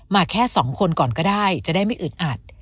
แค่สองคนก่อนก็ได้จะได้ไม่อึดอัด